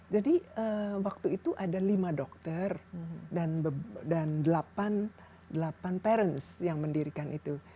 jadi waktu itu ada lima dokter dan delapan parents yang mendirikan itu